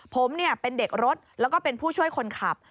ผมเป็นเด็กรถแล้วก็เป็นผู้ช่วยคนขับ